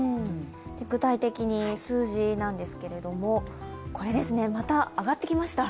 具体的に数字ですけれども、また上がってきました。